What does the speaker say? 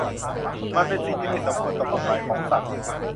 มันเป็นสิ่งที่ไม่สมควรต่อกฎหมายของสัตว์